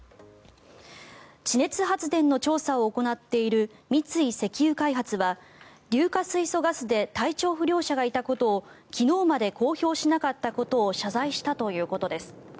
地熱発電の調査を行っている三井石油開発は硫化水素ガスで体調不良者がいたことを昨日まで公表しなかったことを謝罪したということです。